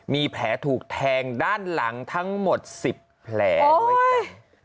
มีแผลถูกแทงด้านหลังทั้งหมด๑๐แผลด้วยกัน